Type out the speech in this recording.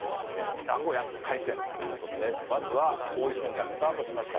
名古屋開戦ということで、まずは王位戦がスタートしました。